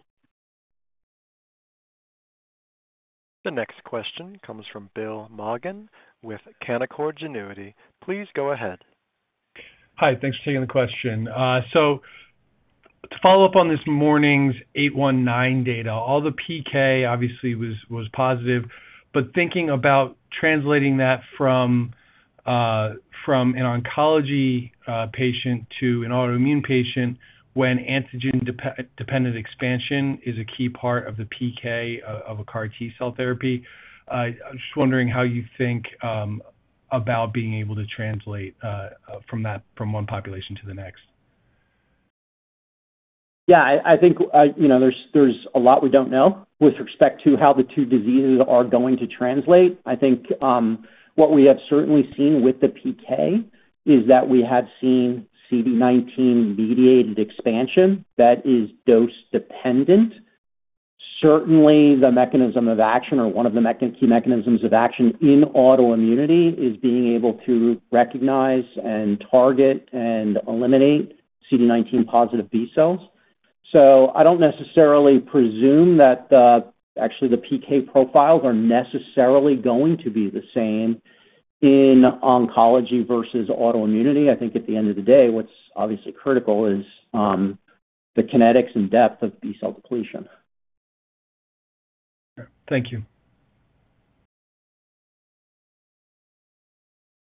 Speaker 1: The next question comes from Bill Maughan with Canaccord Genuity. Please go ahead.
Speaker 14: Hi. Thanks for taking the question. So to follow up on this morning's 819 data, all the PK obviously was positive. But thinking about translating that from an oncology patient to an autoimmune patient when antigen-dependent expansion is a key part of the PK of a CAR T cell therapy, I'm just wondering how you think about being able to translate from one population to the next?
Speaker 2: Yeah. I think there's a lot we don't know with respect to how the two diseases are going to translate. I think what we have certainly seen with the PK is that we have seen CD19-mediated expansion that is dose-dependent. Certainly, the mechanism of action or one of the key mechanisms of action in autoimmunity is being able to recognize and target and eliminate CD19-positive B cells. So I don't necessarily presume that actually, the PK profiles are necessarily going to be the same in oncology versus autoimmunity. I think at the end of the day, what's obviously critical is the kinetics and depth of B cell depletion.
Speaker 14: Thank you.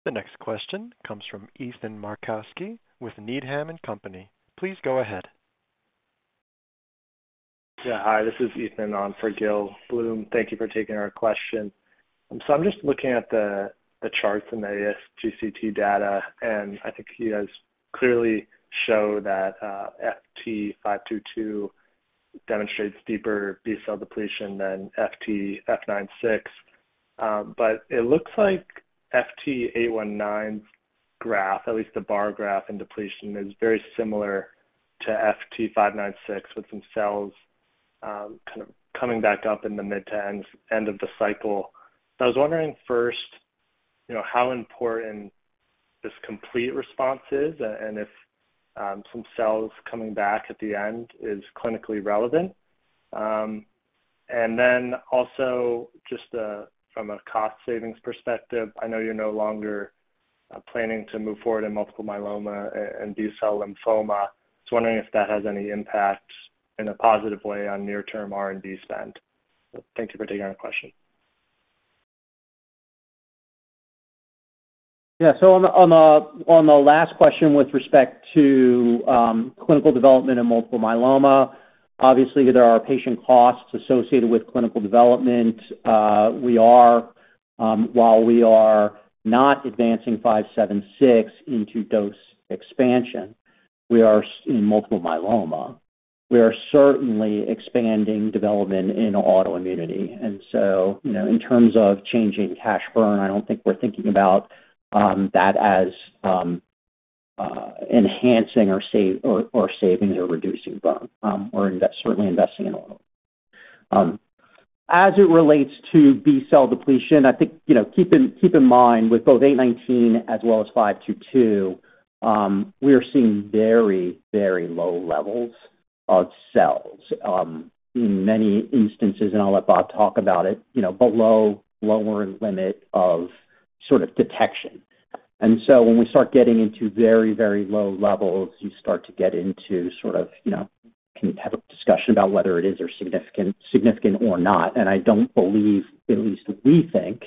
Speaker 1: The next question comes from Ethan Markowski with Needham & Company. Please go ahead.
Speaker 15: Yeah. Hi. This is Ethan on for Gil Blum. Thank you for taking our question. So I'm just looking at the charts in the ASGCT data, and I think you guys clearly show that FT522 demonstrates deeper B cell depletion than FT596. But it looks like FT819's graph, at least the bar graph in depletion, is very similar to FT596 with some cells kind of coming back up in the mid to end of the cycle. So I was wondering first how important this complete response is and if some cells coming back at the end is clinically relevant. And then also just from a cost-savings perspective, I know you're no longer planning to move forward in multiple myeloma and B cell lymphoma. So I'm wondering if that has any impact in a positive way on near-term R&D spend. So thank you for taking our question.
Speaker 2: Yeah. So on the last question with respect to clinical development in multiple myeloma, obviously, there are patient costs associated with clinical development. While we are not advancing FT576 into dose expansion, we are in multiple myeloma. We are certainly expanding development in autoimmunity. And so in terms of changing cash burn, I don't think we're thinking about that as enhancing or savings or reducing burn. We're certainly investing in autoimmunity. As it relates to B cell depletion, I think keep in mind with both FT819 as well as FT522, we are seeing very, very low levels of cells in many instances, and I'll let Bob talk about it, below the lower limit of sort of detection. And so when we start getting into very, very low levels, you start to get into sort of a discussion about whether it is significant or not. I don't believe, at least we think,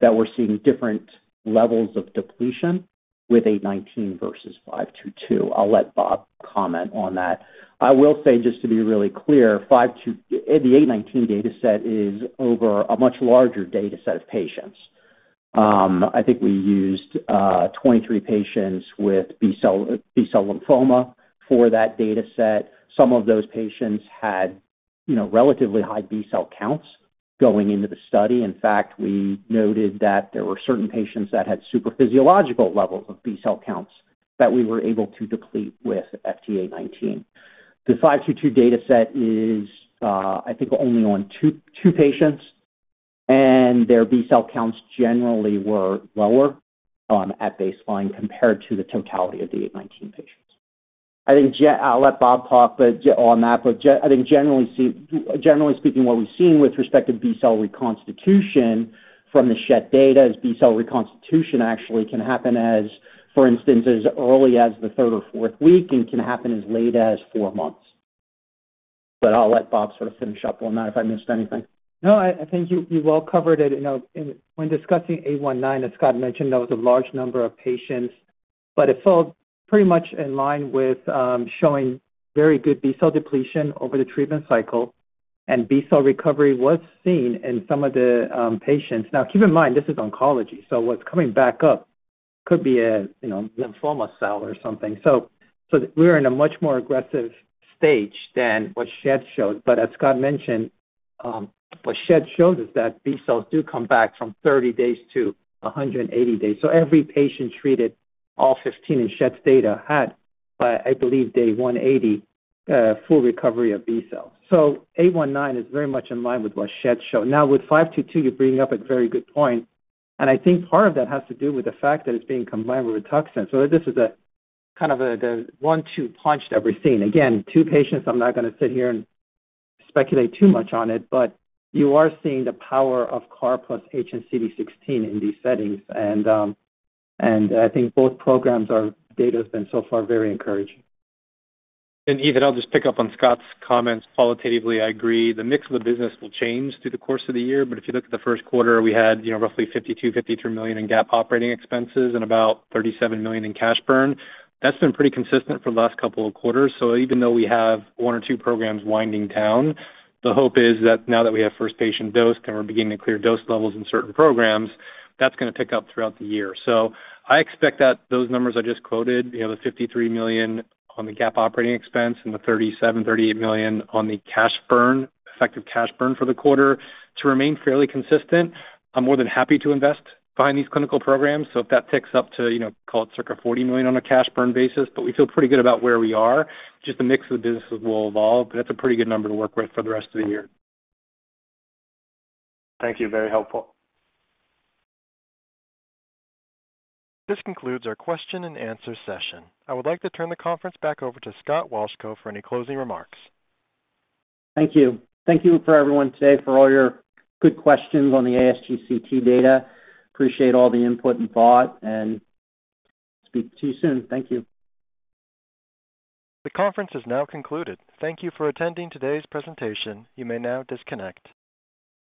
Speaker 2: that we're seeing different levels of depletion with FT819 versus FT522. I'll let Bob comment on that. I will say, just to be really clear, the FT819 dataset is over a much larger dataset of patients. I think we used 23 patients with B cell lymphoma for that dataset. Some of those patients had relatively high B cell counts going into the study. In fact, we noted that there were certain patients that had superphysiological levels of B cell counts that we were able to deplete with FT819. The FT522 dataset is, I think, only on two patients, and their B cell counts generally were lower at baseline compared to the totality of the FT819 patients. I'll let Bob talk on that. But I think, generally speaking, what we've seen with respect to B cell reconstitution from the Schett data is B cell reconstitution actually can happen, for instance, as early as the third or fourth week and can happen as late as four months. But I'll let Bob sort of finish up on that if I missed anything.
Speaker 5: No. I think you well covered it. When discussing 819, as Scott mentioned, there was a large number of patients. But it fell pretty much in line with showing very good B cell depletion over the treatment cycle, and B cell recovery was seen in some of the patients. Now, keep in mind, this is oncology. So what's coming back up could be a lymphoma cell or something. So we're in a much more aggressive stage than what Schett showed. But as Scott mentioned, what Schett shows is that B cells do come back from 30 days to 180 days. So every patient treated, all 15 in Schett data, had, by I believe, day 180, full recovery of B cells. So 819 is very much in line with what Schett showed. Now, with 522, you bring up a very good point. And I think part of that has to do with the fact that it's being combined with Rituxan. So this is kind of the one-two punch that we're seeing. Again, two patients. I'm not going to sit here and speculate too much on it. But you are seeing the power of CAR plus hnCD16 in these settings. And I think both programs' data has been so far very encouraging.
Speaker 3: Ethan, I'll just pick up on Scott's comments. Qualitatively, I agree. The mix of the business will change through the course of the year. But if you look at the first quarter, we had roughly $52-$53 million in GAAP operating expenses and about $37 million in cash burn. That's been pretty consistent for the last couple of quarters. So even though we have one or two programs winding down, the hope is that now that we have first-patient dosed and we're beginning to clear dose levels in certain programs, that's going to pick up throughout the year. So I expect that those numbers I just quoted, the $53 million on the GAAP operating expense and the $37-$38 million on the effective cash burn for the quarter, to remain fairly consistent. I'm more than happy to invest behind these clinical programs. So if that ticks up to, call it, circa $40 million on a cash burn basis. But we feel pretty good about where we are. Just the mix of the businesses will evolve. But that's a pretty good number to work with for the rest of the year.
Speaker 15: Thank you. Very helpful.
Speaker 1: This concludes our question-and-answer session. I would like to turn the conference back over to Scott Wolchko for any closing remarks.
Speaker 5: Thank you. Thank you for everyone today for all your good questions on the ASGCT data. Appreciate all the input and thought. Speak to you soon. Thank you.
Speaker 1: The conference has now concluded. Thank you for attending today's presentation. You may now disconnect.